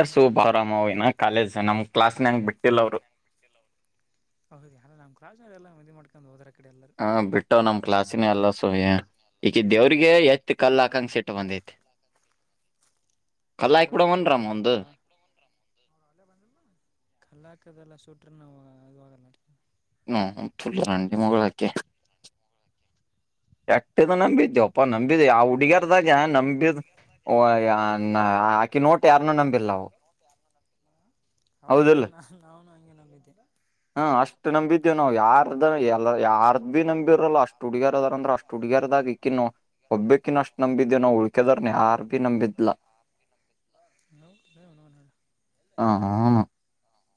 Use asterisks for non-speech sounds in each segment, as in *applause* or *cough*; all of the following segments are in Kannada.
ಏ ಸುಬವರಾಮ ಇನ ಕಾಲೇಜ್ ನಮ್ ಕ್ಲಾಸ್ನ ಹೆಂಗ ಬಿಟ್ಟಿಲ್ಲ ಅವರು ಹೌದ ಎಲ್ಲ ನಮ್ ಕ್ಲಾಸ್ ಅವರ ಎಲ್ಲ ಮದವಿ ಮಾಡ್ಕೊಂಡು ಹೋದ್ರೆ ಹ ಬಿಟ್ಟವ ನಮ್ ಕ್ಲಾಸಿನ ಎಲ್ಲ ಸುಯ ಈಗ ದೇವ್ರಿಗೆ ಎತ್ ಕಲ್ಲ ಹಾಕಂಗಸಿಟ್ಟ ಬಂದೈತಿ ಕಲ್ಲ ಹಾಕಬೀಡ ಯಪ್ಪೋ ಮನ್ರಾಮ ಒಂದು ಕಲಾಕದೆಲ್ಲ ಸ ನೌನ ತುಲ್ ರಂಡಿಮಗಳ ಅಕಿ ಎಟ್ಟದ ನಂಬಿದೆ ಅಪ್ಪಾ ನಂಬಿದ ಆ ಹುಡುಗ ನಾಗ ನಂಬಿದ ಅಕಿ ನೋಟ ಯಾರನ್ನೂ ನಂಬಿಲ್ಲ ಹೌದಿಲ್ಲೇ ಹೌದಿಲ್ಲ ನಾ ನಾವಾನ ಹಂಗೆ ನಂಬಿದ್ದವಿ ಹಾ ಅಷ್ಟ ನಂಬಿ ನಾವು ಯಾರ್ದ ಎಲ್ಲ ಯಾರದ್ದ ಬಿ ನಂಬಿರಲ್ಲ ಅಷ್ಟ್ ಹುಡುಗರ್ದಾರ ಅಂದ್ರ ಅಷ್ಟ ಹುಡಗರದಾಗ ಇಕ್ಕಿ ನವು ಒಬ್ಬಕ್ಕಿನಷ್ಟ ನಂಬಿದೇನೋ ಉಳ್ಕೆದರ್ನೆ ಆರ್ ಬಿ ನಂಬಿದ್ಲ ಹ್ಞೂ ಅವನೌನ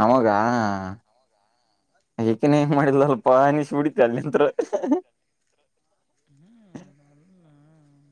ನಮಗ ಅಕ್ಕಿನೆ ಹಿಂಗ ಮಾಡಿಲ್ಲ ಅಲ್ಪ ಅನೀಸಬೀಡಿತ ಅಲ್ಲಿಂತ್ ಹ ಹ್ಮ್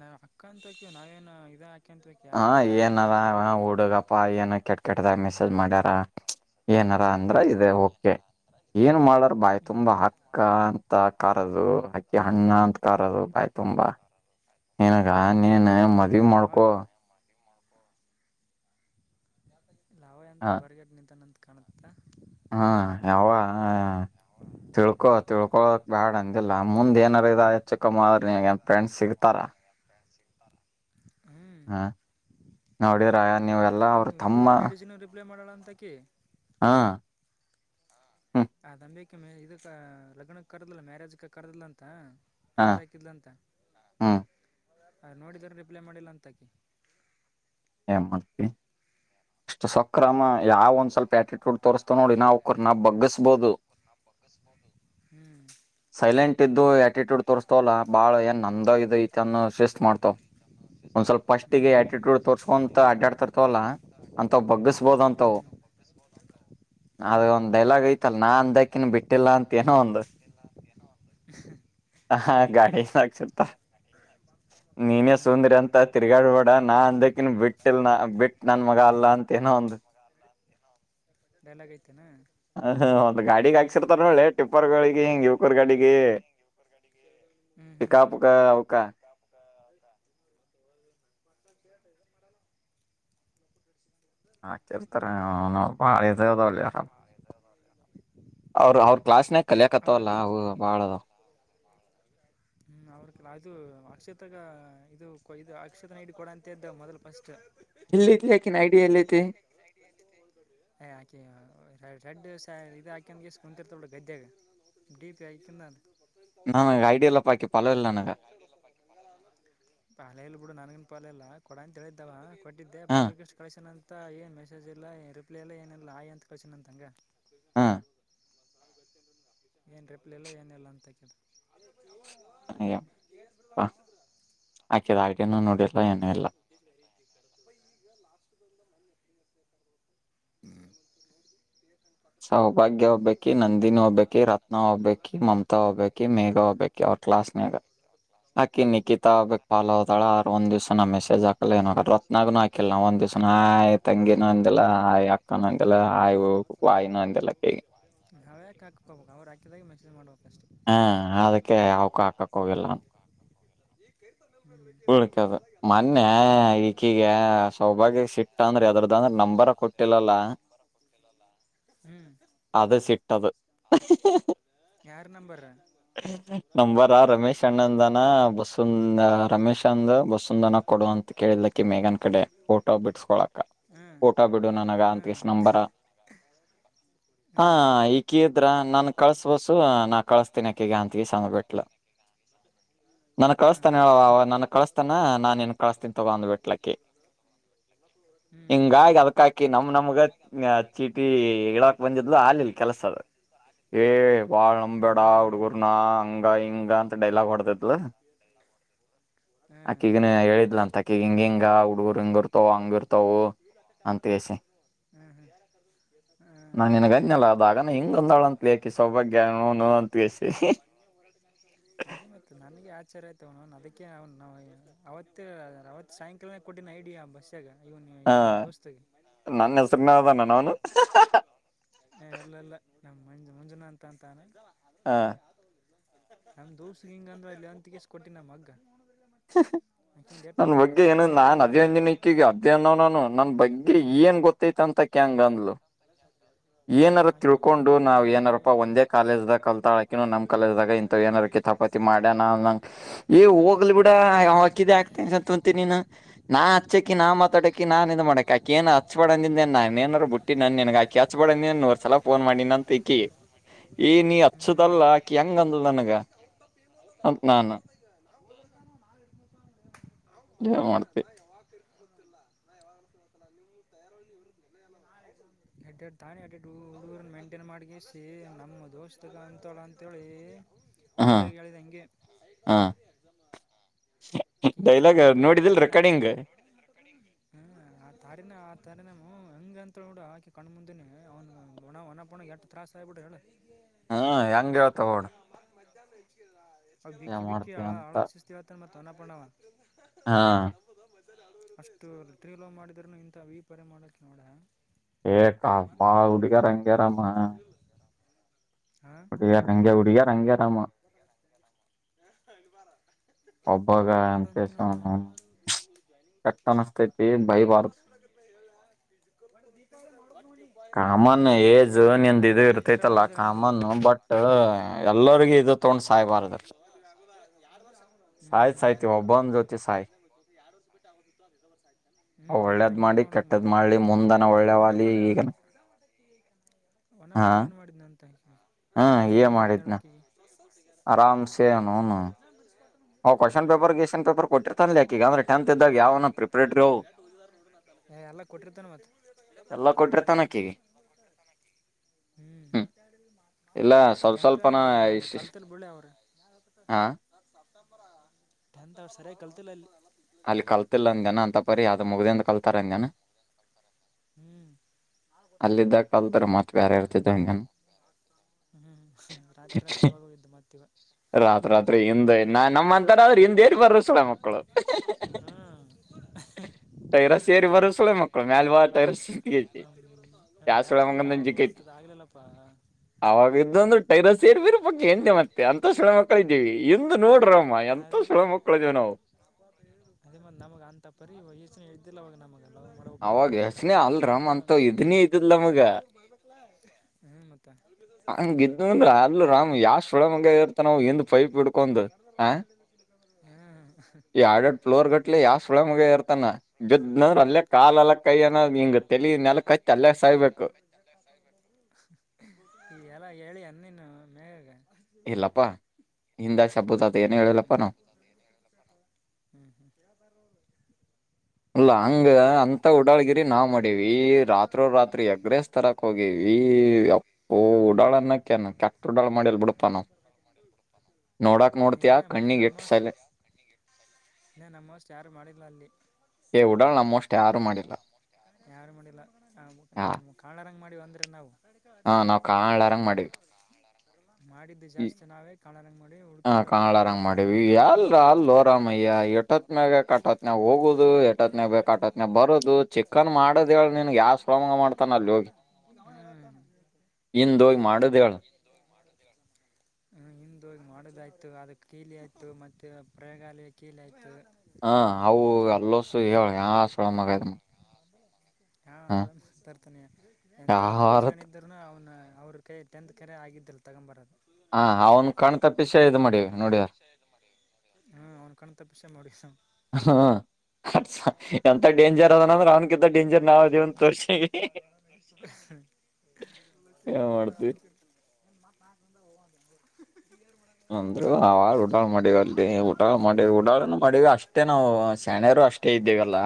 ನಾ ಅಕ್ಕ ಅಂತ ಆಕಿವ ನಾವೇನು ಇದ ಹಾ ಏನ ಅದ ಹುಡುಗಪ್ಪಾ ಏನ ಕೆಟ್ಟ ಕೆಟ್ಟದ ಮೆಸ ಮಾಡರ ಏನಾರ ಅಂದ್ರ ಇದೆ ಓಕೆ ಏನ್ ಮಾಡ ಬಾಯಿ ತುಂಬಾ ಹ್ಮ್ ಹಕ್ಕ ಅಂತ ಕರ್ದು ಅಕ್ಕಿ ಹಣ್ಣ ಅಂತ ಕರದು ಬಾಯ ತುಂಬಾ ನಿನಗ ನೀನ್ ಅವ ಮದ್ವಿ ಮಾಡ್ಕೊ ಅವ ಅವ ಎಂತ ಹ ಬರ್ಗಟ್ ನಿಂತಾನಂತ ಕಾಣತ್ತ ಹಾ ಯಾವ ಹ ತಿಳ್ಕೊ ತಿಳ್ಕೊಕ್ ಬ್ಯಾಡ ಅಂದಿಲ್ಲಾ ಮುಂದ್ ಏನಾರ ಇದ ಹೆಚ್ಚ ಕಮ್ಮ ಆದರೆ ನಿನಗೆನ ಫ್ರೆಂಡ್ಸ್ ಸಿಗ್ತಾರ ಹ್ಮ್ ಹಾ ನೋಡಿರ ನೀವೆಲ್ಲಾ ಅವರ ತಮ್ಮ ಮಾಡೆಳ ಅಂತಕಿ ಹಾ ಆ ನಂಬಿಕೆ ಮ ಇದಕ್ ಲಗ್ನ ಕರ್ದಿಲ್ಲ ಮ್ಯಾರೇಜ್ ಕ ಕರದಿಲ್ಲ ಅಂತ ಹ ಮೆಸೇಜ್ ಹಾಕಿದಲ್ಲ ಅಂತ ಹ್ಮ್ ಅ ನೋಡಿದ್ರ ರಿಪ್ಲೈ ಮಾಡಿಲ್ಲ ಅಂತಾಕಿ ಎ ಮತಿ ಅಷ್ಟು ಸೂಕ್ಕು ರಾಮ ಯಾವ ಒಂದ್ ಸ್ವಲ್ಪ ಆಟಿಟ್ಯೂಡ್ ತೋರಿಸ್ತವ ನೋಡ ಇನಾ ಅವಕರನಾ ಬಗ್ಗಸಬೋದು ಹ್ಮ್ ಇಟ್ಟಿದ್ದು ಆಟಿಟ್ಯೂಡ್ ತೋರಿಸ್ತವಲ್ಲ ಬಾಳ ಏನ್ ನಂದ ಈದೈತಿ ಅನ್ನೊ ಶಿಸ್ತ್ ಮಾಡ್ತಾವ ಒಂದ್ ಸ್ವಲ್ಪ ಫಸ್ಟಿಗೆ ಹ್ಮ್ ಆಟಿಟ್ಯೂಡ್ ಹ್ಮ್ ಸ್ಕೊಂತ ಹ್ಮ್ ಅಡ್ಡಾಡ್ತರ್ತವಲ್ಲ ಅಂತ್ ಬಗ್ಗಿಸಬೋದ ಅಂತವು ಹ್ಮ್ ಅದು ಹ್ಮ್ ಒಂದ್ ಹ್ಮ್ ಡೈಲಾಗ್ ಐತಲ್ಲ ನಾ ಅಂದಕ್ಕಿನ್ ಬಿಟ್ಟಿಲ್ಲ ಅಂತ ಏನೋ ಒಂದು ಹಾ ಗಾಟೆಗ ಸಾಕ್ಷಿ ಇರತ್ತಾವ ನೀನೇ ಸುಂದ್ರಿ ಹ್ಮ್ ಅಂತ ತಿರ್ಗಾಡ್ಬೇಡ ನಾ ಅಂದಕಿನ್ ಬಿಟ್ಟಿಲ್ ನ ಬಿಟ್ಟ ನನ್ ಮಗ ಅಲ್ಲ ಅಂತ ನೋ ಒಂದು ಡೈಲಾಗ್ ಐತೆನಾ ಹ ಒಂದು ಗಾಡಿಗ ಹಾಕ ಸಿರ್ತಾರ ನೋಡಲೆ ಟಿಪ್ಪರ್ಗಳಿಗೆ ಹಿಂಗ್ ಯುವಕರ್ಗಳಿಗೆ ಹ್ಮ್ ಹ್ಮ್ ಹ್ಮ್ ಪಿಕಾಪುಕ ಅವಕ *inaudible* ಹಾಕ್ತಿರ್ತರ ನಮ್ಮಪ್ಪ ಹೈದರಾಬಾದ್ ಅವರು ಅವ್ರ ಕ್ಲಾಸ್ನಾಗ ಅವ್ರ ಕಲಿಯಕತ್ತವಲ್ಲ ಅವು ಬಾಳದವ ಹ್ಮ್ ಅವ್ರಕಲ್ಲ ಅದು ಅಕ್ಷತಗ ಇದು ಇದು ಅಕ್ಷತನ ಐಡಿ ಕೊಡ ಅಂತ ಇದ್ದ ಮೊದಲ್ ಫಸ್ಟ್ ಇಲಿತಿ ಆಕಿನ್ ಐಡಿಯಲ್ಲಿತಿ ಸ ಇದ ಹಾಕ್ಯಂಡ ಗೇಸ್ ಕುಂತಿರತಾಳ ನೋಡ ಗದ್ಯಾಗ ಡಿ ಪಿ ಆಕಿಂದ ನಾನ ಐಡಿಯಲ್ಲ ಅಕಿ ಫಾಲೋ ಇಲ್ಲ ನನಗ ಪಾಲೆಲ್ಲ ಕೊಡ ಅಂತ ಹೇಳಿದ್ದವ ಕೊಟ್ಟಿದ್ದೆ ಹಾ ಬಾಳಷ್ಟು ಕಳನ್ ಅಂತ ಮತ್ತ ಏನ್ ಮೆಸೇಜ್ ಇಲ್ಲ ಏನ್ ರಿಪ್ಲೈ ಎಲ್ಲ ಏನಿಲ್ಲ ಆಯಿ ಅಂತ ಕಚಿನಂತಂಗ‌. ಹಾ ಏನು ರಿಪ್ಲ ಇಲ್ಲ ಏನಲ್ಲ ಅಂತಕಿದ. ಆಕದ ಆಟ ನೋಡಿಲ್ಲ ಏನ ಎಲ್ಲ. *inaudible* ಹ್ಮ ಸೌಭಾಗ್ಯ ಹಬ್ಬಿ ನಂದಿನಿ ಹೋಗ್ಬಬೇಕಿ ರತ ರತ್ನಾ ಹೋಗ್ಬಿ ಮಮತಾ ಒಗ್ಬಬೇಕಿ ಮೇಘ ಒಗ್ಬಬೇಕಿ ಅವ್ರ ಕ್ಲಾಸ್ ಮೇಾಗ. ಹಾಕಿ ನಿಕಿತಾಬೇಕಕ್ ಪಾ ಹೋದಾಳರ್ಂದ ದಿವ್ಸ ನ ಮೆಸೇಜ್ ಹಾಕಲ್ಲ ಏನ ರತ್ನಾಗು ಹಾಕಿಲ್ಲ ಒಂದ ದಿವ್ಸ. ಆಯ್ ತಂಗಿನ ಅಂದಿಲ್ಲ ಆಯ ಅಕ್ಕನು ಅಂದಿಲ್ಲ ಆಯ್ ವಾಯಿನ ಅಂದಿಲ್ಲ ಕ, ಹ -ಯಕಾಕ್ಕೋಬೇಕು ಅವ್ರುಾಕಿದಾಗ ಮೆಸಜ್ ಮಾಡಬೇಕಷ್ಟೆ. ಹಾ- ಅದಕ್ಕೆ ಅವಾವಕ ಹಾಕಕ್ ಹೋಗಿಲ್ಲ. ಉಳ್ಕದು ಮೊನ್ನೆ ಈಕೀಗ ಸೌಭಾಗ್ಯ ಸಿಟ್ಟ ಅಂದ್ರೆ ಎದರದ್ದ ಅಂದ್ರೆ ನಂಬರ್. ಕೊಟ್ಟಿಲ್ಲಲ್ಲ ಹ್ಞೂ ಅದ ಸಿಟ್ಟದು. ಯಾರ ನಂಬರ ನಂಬಾರ ರಮೇಶ್ ಅಣ್ಣಂದಾನ ಬಸವಂ ರಮೇಶ್, ಚಂದ ಬಸಂದನ ಕೊಡ ಅಂತ ಕೇಳಲಕ್ಕಿ ಮೇಘನ್ ಕಡೆ ಫೋಟೋ ಬಿಡ್ಸ್ಕೊಳಕ್ಕ. ಹ್ಞೂ ಫೋಟೋ ಬಿಡು ನನಗ ಅಂತಷ್ಟ ಹ್ಞೂ ನಂಬರ ಹ್ಞೂ ಹ ಈಕಿದ್ರ. ನನ್ ಕಳ್ಸ ಬಸು ನಾ ಕಳ್ಸ. ಗ -ಅಂತಸ ಬಿಟ್ಲ ನನ ಹ್ಞೂ ಹ್ಞೂ ಹ್ಞೂ ಕಳಿಸತಾನ ಹೇಳ ಅವ ನನ. ಕಳಸ್ತಾನ ನಾನು ಏನ್ ಕಳಸ್ತೀನ್ ತಗ ಒಂದು ಬೆಟ್ಲಕ್ಕೆ. ಹ್ಞೂ ಹ್ಞೂ ಹಿಂಗಾಗಿ ಅದಕಾಕಿ ನಮ್ ನಮ್ಗ ಚೀಟಿ ಇಡಕ್ ಬಂದಿದ್ಲು ಆಲಲ್ ಕೆಲ್ಸದ ಏ- ವಾಳ ನಂಬೇಡಾ ಅವಡು. ಣ -ಹಂಗ ಹಿಂಗ ಅಂತ ಡೈಲಾಗ್ ಹೊಡ್ತದ. ಅಕ್ಕಿಗನ ಹೇಳಿದ್ಲ ಅಂತ ಅಕ್ಕಿಗ ಹಿಂಗ ಹಿಂಗ ಹುಡುಗರು ಹಿಂಗ ಇರ್ತಾವ ಹಂಗ ಇರ್ತವು. ಅಂತ ವಸ ಹ್ಮ್ -ಹ್ಮ್ ನಾನನ್ ಗಜಯಲ್ಲ ಆದಾಗನ ಹಿಂಗೊಂದಳಂತಕಿ ಸೌಭಾಗ್ಯಂತ ಅದ ಮ ನನ್ಗೆ *unintelligible* ಆಚರ್ ಆಯ್ತ ಅದಕ್ಕೆ ಅವ ಅವತ್ ಸಾಯಂಕಾಲ ಕೊಟ್ಟ ಐಡಿಯಾ ಬಸ್, ಇಗ ಇವನ್ ಹ ಇವ ನಮ್ ದೋಸ್ತಿಗೆ ನನ್ನ ಹೆಸರ್ನ ಅದಾನ ಅವನು ಹ- ಎಲ್ಲೆಲ್ಲ ನಮ್ಮ್ ಮಂಜು ಮಂಜುನಾ ಅಂತ ಅಂತಾನ, ಹ ನಮ ದೋಸಗ್ ಹಿಂಗ ಅಂದ್ರ ಇಲ್ಲಿ ಅಂತಿಕಸ್ ಕೊಟ್ಟಿನ ನಮಗ್ಗ. ಹ -ಹ- ನನ್ ಬಗ್ಗೆ ಏನು ತಾನೇ ಎಡ್ಡೆಡ್ ನಾನ್ ಹುಡುಗಿರ್ನ ಅಧಿನಂಜನಕ್ಕೆಗ ಅಧ್ಯ್ನನನು ನನ್ ಬಗ್ಗೆ ಏನ್ ಗೊತ್ತ. ೈತ್ ಅಂತ ಕ್ಯಾಂಗ ಅಂದ್ಲು ಹ್ಮ ಏನಾರ ಆಕಿ ಎಡ್ಡೆಡ್ ತಿಳ್ಕೊಂಡು ನಾವ್ ಹುಡುಗರ್ನ ಏನಾರಪ್ಪಾ ಒಂದೇ ಕಾಲೇಜ್ದಾಗ ಕಲ್ತಾಳಕ ನಮ್ಮ ಕಾಲಜ್ದಾಗ ಇಂಥ ಏನಾರಕ ತಪ್ಪ. ಪತಿ ಮಾಡಣ ನಂಗ ಏ ಹೋಗ್ಲಿ ಬಿಡ ಅವ ಆಗ್ತಸತ್ಂತನ ನಾ ಹಚ್ಚಕಿ ನಾ ಮಾತಾಡಕ ನಾ ಇದ ಮಾಡಕಕ್ಕ ಏನ್ ಹಚ್ಬಾಡನ ಬ ಬಿಟ್ಟ ನನ್ ನನ್ಗಾಕಿ ಹಚ್ ನೀನ್ ನೂರ್ ಸಲ ಫೋನ್ ಮಾಡಿ ಅ ತಕಿ ಏ ನೀ ಹ್ಮ್ ಹಚ್ಚದಲ್ಲ ಆಕಿ ಹೆಂಗಂದ ನನಗ ಅದ ನಾಾನು ಯಾಗ ಮಾಡ್ತ. ಗೊಲ್ಲ ತಾನೇ ಅಡಡು ಹುಡುಗರನ್ನ ಮೈಂಟೈನ್ ಮಾಡಿಗಿಸಿ ನಮ್ಮ ದೋಸ್ತಗೆ ಅಂತಳ ಅಂಂತೇಳಿ. ಹಾ ಒಮ್ಂತಾಗಿ ಹೇಳಿದ ಹಂಗೆ. ಹಾ ಎಟ್ಟ ಡೈಲಾಗ್ ಕೂಡ ನೋಡಿದಿಲ್ ತಾರಿ ಆತ ರೆಕಾರ್ಡಿಂಗ್ ಹ್ಮ ಆ ತಾರಿನ *unintelligible* ನಾಮು ಹಂಗಗೆ ಅಂತ ಹೇಳಿ ಬಿಡ ಹಾಕಿ ಕಣ ಮುಂದಿನಿ ಅವ್ ಒಣ ಒಣ ಪಣ ಎಷ್ಟು ತತ್ರಾಸ ಆಗಿಬಿಟ್ಟ್ರ ಹೇಳಿ ಹ್ಮ -ಹೆಂಗಗೆ ಹೇಳ್ತಗೋಡು ಅವು ಬಿಕ್ಕಿ ಬಿಕ್ಕಿ ಹಳ ಅಂತ ಹಳಾರ ಸಿಸ್ತಿವ್ತಾನೆ ಮತ್ತು ಅನ್ನಪಣವಡ. ಹಾ ಅಷ್ಟುತ್ರಿಲೋ ಮಾಡಿದ್ರನು ಇಂಥ ವಿ ಪರೆ ಮಾಡಕ್ ನೋಡ ಏ ಕ ಬಾವುಡುಗ ರಂಗರಮ ಹಾ ಉಡಿಯಾ ರಂಗ ಉಡಿಯಾ ರಂಗಾರಾಮ ಅಷ್ಟು ಒಬ್ಬಾಗ ಇರ್ಬೋಡ ಎಂತ ಅಂತ ಸ ನಾನು ಕೆಟ್ಟಟ್ಟನ್ಸ್ತೈತಿ ಭೈಬಾರಜ ಕಾಮನ್ ಬೈಬಾರ್ದ ಏಜ್ ಬಿಡು ಎಲ್ಲ ನಿಂದ ಅಲ್ಲ ಇ ಈ ಥರ ಇರ್ತೈತಲ್ಲ ಮಾಡಿದ್ರೆ ಹಂಗಲಿ ಕಾಮನ್ ಕುಡಿ ಬಟ್ ಎಲ್ಲರಿಗೂ ಇದು ತಗೊಂಡ್ ಸಾಯ್ಬಾರದ ಹ್ಞೂ ಸಾಯ್ತ್ ಸಾಯ್ತಿವ ಒಬ್ಬಂದ ಜ್ಯೋತಿ ಸಾಯಿ ಹ್ಮ್ ಅದೇ ಒಳ್ಳೇದ್ ಹಂಗಿ ಮಾಡಿ ಒಣಕ್ ಮತ್ತ ಕೆಟ್ಟದ್ ಇವ ಮಾಡ್ಲಿ ನೋ ಮುಂದನ ಅ್ರ ಒಳ್ಳೆವಲಿ ಒಣಪ್ಪಣ ಈಗನ ಹಾ ಒನಪಣ ಏನ್ ಮಾಡಿದ್ನ ಅಂತ ಹೊನಪಣ ಏನ್ ಮಾಡಿದ್ನಳಾಕಿ ಆರಾಮಸೇನುೂನು ಹ್ವಶನ್ ಪೇಪರ್ ಗಷನ್ ಪೇಪರ್ ಕೊಟ್ಟಿರ್ತಾನನಲ್ಲ ಯಾಕ ಈಗ ಅಂದ್ರೆ ಟೆಂತ್ ಇದಾವ್ ಯಾವ ನ ಪ್ರಿಪೇಡ್ರ್ ಎಲ್ಲ ಕೊಟ್ಟಿರ್ತಾನ ಮತ್ತೆ ಎಲ್ಲ ಕೊಟ್ಟಿ ತಾನಕ್ಕೇಗೆ ಹ್ಞೂ ಹ್ಮ್ ಇಲ್ಲ ಸ್ವಲ್ಪ ಟೆಂತ್ ಸ್ವಲ್ಪನ ಅವ್ರ ಅಲ್ಲಿ ಇಷ್ಟ ಕಲ್ತಿಲ್ಲ ಹಾ ತ ಅವ ಸರಿಯಾಗಿ ಕಲ್ತಿಲ್ಲ ಅಲ್ಲಿ ಅಲ್ಲಿ ಕಲ್ತಿಲ್ಲ ಅಂಗ್ಯನ ಅಂತ ಬರಿ ಅಾವ್ದ ಮುಗ್ದಿಂದ ಕಲ್ತಾರ ಅಂಗ್ಯನಾ ಹ್ಞೂ ಅಲ್ಲಿದ್ದ ಕಲ್ತರ ಮತ್ವ್ಯಾರ ಇರ್ತಿದ್ದ ಹಂಗನು ಹ್ಮ್ ರಾತ್ರಿ ರಾತ್ರಿ ಹೋಗಿದ್ದು ಮತ್ತೆ ರಾತ್ ರಾತ್ರಿ ಹಿಂದ್ ನಾ ನಮ್ಮ ಅಂತಾರ ಆದ್ರರು ಹಿಂದ ಏರ್ ಬರ ಸಲ ಮಕ್ಕಳು ಹ್ಞೂ ಟೈರಸ ಏಾರಿ ಬರ ಸಲ ಮಕ್ಕಳು ಮ್ಯಲ್ ಬಾರ ರಸಿ ನ ಬ್ಯಾಜ್ದ ಯಾವ್ದ ಅಂತದ್ದ ಆಗ್ಲಿಲ್ಲಪ್ಪಾ ಅವಾಗ ಇದ್ದೊ ಒಂದು ಟೈರಸ್ ಏರ್ಬರ ಪ ಎಂದೆ ಮತ್ತೆ ಅಂತ ಸಣ್ಣ ಮಕ್ಕಳ ಇದ್ದೀವಿ ಇಂದು ನೋಡ್ರಮ್ಮ ಎ ಅದೇ ಸಳ ಮಕ್ಳೇಜ ನವು ಅದೇ ಮತ್ ನಮಗ ಅಂತ ಪರಿ ವಯಸ್ನ ಇ್ದಲ್ಲ ಅವಾಗ ನಮಗ ಅವಾಗ ಯಚ್ನೆ ಅಲ್ರಾಮ್ ಅಂತ ಇ ಹ್ಮ್ ಮತ್ತ ಹಂಗ ಇದು ಅಂದ್ರ ಅಲ್ ರಾಮ್ ಯಾವಷ್ಟ್ ಫುಡಮಂಗ ಇರ್ತ ನಾವ ಎದ ಪೈಪ್ ಇಡ್ಕೊಡ್ ಹ ಹ್ಞೂ ಈ ಎಡು ಎರಡ್ ಫ್ಲೋರ್ ಗಟ್ಲೆ ಯಾವ ಸುಳ ಮುಗ ಇರ್ತಾನ ಬದನಂದ್ರ ಅಲ್ಲೇ ಕಾಲ ಲ್ಲ ಕೈ ಅನ ಹಿಂಗ ತಲಿ ನೆಲ್ಕ್ಅಲ್ಲೇ ಸಾಯ್ಬೇಕು ಈ ಎಲ್ಲ ಹೇಳಿ ಅಂದನ್ ಮೇಗ ಇಲ್ಲಪ್ಪಾ ಹಿಂದ ಶೆಬ್ಬುದ ಅದ ಏನು ಹೇಳಿಲ್ಲಪ್ಪಾ ನಾ ಹ್ಮ್ ಹ್ಮ್ ಅಲ್ಲ ಹಂಗ ಅಂತ ಉಡಾಳ್ಗಿರಿ ನಾವ್ ಮಾಡೀವಿ ರಾತ್ರೋ ರಾತ್ರಿ ಎಗ್ರಸ್ ತರಕ್ ಹೋಗಿವವಿ ಓ ಹ್ಞೂ ಉಡಾಳನ್ನಕ್ಕೇನ್ ಕೆಟ್ಟ ಉಡಾಳ ಮಾಡಿಲ್ ಬಿಡ್ಪ ನಾವ ನೋಡಾಕ್ ನೋಡ್ತಯ ಕಣ್ಣಿಗೆ ಎಟ್ಟ ಸಲೆ ಇ ನಮ್ಮಸ್ಟ್ ಯಾರು ಮಾಡಿಲ್ಲ ಅಲ್ಲಿ ಹವುಡಾ ನಮ್ಮೋಸ್ ಯಾರು ಮಾಡಿಲ್ಲ ಹಾ ನಮ ಕಾಳಾರಂಗ್ ಮಾಡಿವ ಅಂದ್ರೆ ನಾವು ಹಾ ನಾವವು ಕಾಳ ಆರಾಮಂಗ್ ಮಾಡಿವವಿ ಮಾಡಿದ್ದು ಜಾಸ್ತಿ ನಾವೇ ಕಾಣಂಗ ಮಾಡಿ ಹ ಹುಡ್ಕ್ಯದ್ರ ಮಾಡ್ರ ಕನ್ನಡರಂಗ್ ಕಾಣ ಕಾಣ್ರಂಗ ಮಾಡರ ಅವರು ಎಟತ್ನೇ ಬ ಕಟತ್ನ ಹೋಗುದು ಎಟತ್ನೇ ಕಟತ್ನ ಬರುದು ಇದು ಚಿಕನ್ ಮಾಡದ ಹೇಳ ನಿನ್ಗೆ ಯಾವ ಶ್ರಮಂಗ ಮಾಡ್ತಾನ ಅಲ್ಲಿ ಹೋಗಿ ಇಂದುಯ್ ಮಾಡುದಳ್ ಹಿಂದೋಗಿ ಮಾಡೋದಾಯ್ತು ಅದ ಕೀಲಿ ಆಯ್ತು ಮತ್ತೆ ಪ್ರಯೋಗಾಲಯ ಕೀಲಿ ಆಯ್ತು ಹಾ ಅವು ಅಲ್ಲಸು ಹೇಳ ಯ ಸಳ ಮಗ ಹಾ ಸತರ್ತಾನೆ ಎಂತ ಯಾರತ್ ದೇಶವನ ಇದಿದ್ದ್ನು ಅವನ ಅವ್ರ ಕೈ ಟೆಂತ್ ಕರೆ ಆಗಿದ್ದಲ್ಲ ತಗೊಂಬರದು ಹಾ ಅವನ್ ಕಾಣ್ತಾ ಪಿಸೆ ಇ ಮಾಡಿವ ನೋಡಿದಾರ ಹ್ಞೂ ಅವ್ನು ಕಣ್ ತಪ್ಪಿಸೇ ಮಾಡಿ ಹ್ಞೂ ಹ್ಮ *unintelligible* ಎಂತ *unintelligible* ಡೇಂಜರ್ ಅದನಂದ್ರ ಅವ್ನ್ಕಿಂತ ಡೇಂಜರ್ ನಾವ್ ಇದೇವಂತ ತೋರ್ಸೆವೀ *unintelligible* *unintelligible* ಅಂದರು ಅ ಊಡಾಳ್ ಮಾಡಿದಾರ ಲೇ ಊಡಾಳ್ ಮಾಡ ಊಡಾಳ ಮಾಡಿರ ಅಷ್ಟೇನ ನಾವ ಸಣ್ಯರು ಅಷ್ಟ *unintelligible* ಇದ್ದೇವೆಲ್ಲ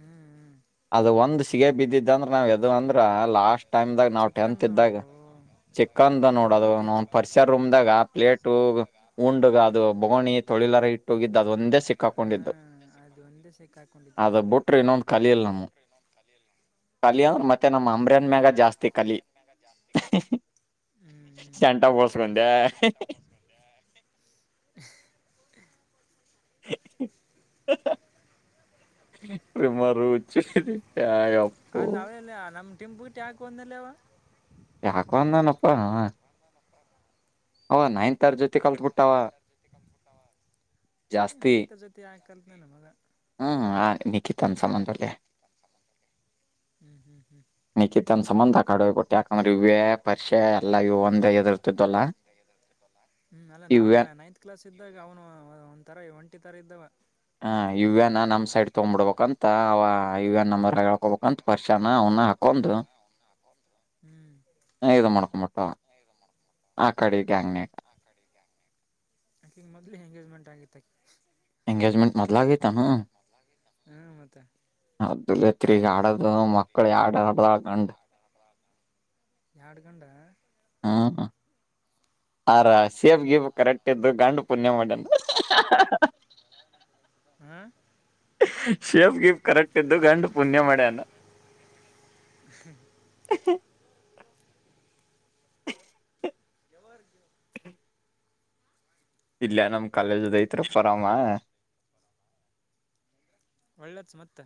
ಹ್ಮ್ ಹ್ಮ್ ಅದು ಒಂದ್ ಸಿಗ ಬಿದ್ದಿದ್ದ ಅಂದ್ರೆ ನಾವ್ ಯದು ಅಂದ್ರ ಲಾಸ್ಟ್ ಟೈಮ್ದಾಗ ನಾವು ಚಿಕನ್ ಟೆಂತ್ ಇದ್ದಾಗ ನೋಡಪ್ಪೋ ಚಿಕನ್ದ ಅದೇ ನೋಡದು ಮತ್ತೆ ಚಿ ಪರಿಷರ ರೂಮ್ದಾಗ ಪ್ಲೇಟು ಉಂಡಗ ಅದು ಬಗಣಿ ತೊಳಿಲಾರ ಇಟ್ಟೋಗಿದ್ದು ಅದೊಂದೇ ಸಿಕ್ಕಾಕೊಂಡಿದ್ದು ಹಾಂ ಅದು ಒಂದೇ ಸೆಕ್ ಅ ಹಾಕ್ಕೊಂಡಿದ್ದೆ ನಾನು ಬುಟ್ರೆ ಇನ್ನೊಂದು ಕಲಿಯಿಲ್ಲ ನಮ್ಮ *unintelligible* ಹ್ಞೂ *unintelligible* ಮತ್ತೆ ನಮ್ಮ ಅಂಬ್ರನ್ ಮ್ಯಾಗ ಜಾಸ್ತಿ ಕಲಿ ಹ್ಞೂ ಹ್ಞೂ *unintelligible* *unintelligible* *unintelligible* ಯಪ್ಪು ಅಲ್ಲಿ ಅವೆಲ್ಲ ನಮ್ ಟಿಂಪು ಟ್ಯಾ ಕ ಒಂದಲ್ಲವ ಯಾಕ ವಾಂದನಪ್ಪ *unintelligible* ಅವ ನೈನ್ತ *unintelligible* ಜೊತೆ ಕಲ್ತ್ಬಿಟ್ಟಾವ ಅದೇ ಜಾಸ್ತಿ ನೈನ್ತ್ *unintelligible* ಮಗ ಹ್ಮ್ ನಿಕಿತನ್ *unintelligible* ಹ್ಞೂ ಹ್ಞೂ ಹ್ಞೂ ನಿಖಿತನ್ ಸಂಬಂಧ ಕಡುವ ಕೊಟ್ಟು ಯಾಕಂದ್ರೆ ಇವೇ ಪರಿಷೆ ಎಲ್ಲ ಇ *unintelligible* ಹ್ಮ್ ಅಲ್ಲ ನಾವು ಇವ್ಯ ನೈನ್ತ್ ಕ್ಲಾಸ್ ಇದ್ದಾಗ ಅವನು ಒಂಥರ *unintelligible* ತರಿದ್ದವ ಹ ಇವನ್ ನಮ್ ಸೈಡ್ ತಗೊಬಿಡ್ಬೇಕಂತ ಅಂತ ಅವ *unintelligible* ಹೇಳ್ಕೊಬೇಕಂತ ವರ್ಷನ ಅವನ ಹಾಕೊಂಡು *inaudible* ಇದು *unintelligible* ಆ ಕಡಿ ಗ್ಯಾಂಗ್ *unintelligible* ಅಕಿಗ ಮೊದ್ಲ ಎಂಗೇಜ್ಮೆಂಟ್ ಆಗಿತ್ತ *unintelligible* ಎಂಗೇಜ್ಮೆಂಟ್ ಮದ್ಲಾಗಿತೆನು ಹ್ಞೂ ಮತ್ತೆ *unintelligible* ಹದಡು ಮಕ್ಕಳು ಯಡ *unintelligible* ಯಾಡ್ಗಂಡ ಹಾ ಆರಾ *unintelligible* ಕರೆಕ್ಟ್ ಇದ್ದು ಗಾಂಡು ಪುಣ್ಯ ಮಾಡನ್ ಹ ಶೇಫ್ ಗಿಫ್ ಕರೆಕ್ಟ್ ಇದ್ದು ಗಂಡ ಪುಣ್ಯ ಮಾಡ್ಯಾನ *unintelligible* ಹ *unintelligible* *unintelligible* ಜವಾರ್ ಇಲ್ಲೆ ನಮ್ ಕಾಲೇಜ್ದ ಐತ್ ರಿ ಪರಾಮ *unintelligible* ಮತ್ತೆ